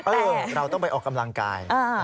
เราต้องไปออกกำลังกาย